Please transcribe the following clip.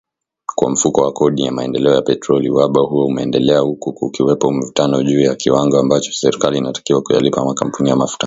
Kwa Mfuko wa Kodi ya Maendeleo ya Petroli, uhaba huo umeendelea huku kukiwepo mivutano juu ya kiwango ambacho serikali inatakiwa kuyalipa makampuni ya mafuta